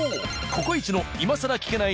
「ココイチ」の今さら聞けない！